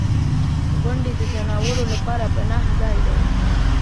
• غونډۍ د ځناورو لپاره پناه ځای دی.